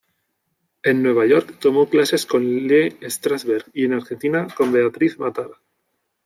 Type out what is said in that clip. En Nueva York tomó clases con Lee Strasberg y, en Argentina, con Beatriz Matar.